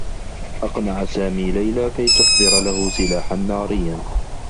أقنع سامي ليلى كي تحضر له سلاحا ناريّا.